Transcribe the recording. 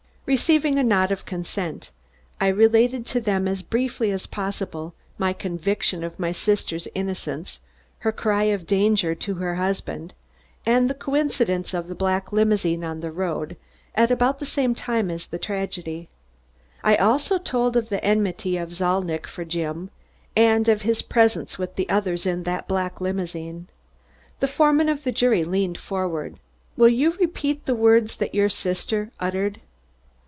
Receiving a nod of consent, I related to them as briefly as possible my conviction of my sister's innocence, her cry of danger to her husband, and the coincidence of the black limousine on the road at about the same time as the tragedy. I also told of the enmity of Zalnitch for Jim and of his presence with the others in the black limousine. The foreman of the jury leaned forward. "Will you repeat the words that your sister uttered?"